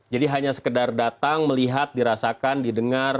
jadi hanya sekedar datang melihat dirasakan didengar